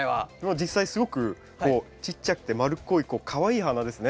実際すごくこうちっちゃくて丸っこいかわいい花ですね。